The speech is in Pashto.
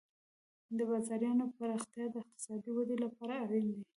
د بازارونو پراختیا د اقتصادي ودې لپاره اړین دی.